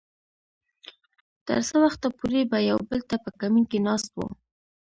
تر څه وخته پورې به يو بل ته په کمين کې ناست وو .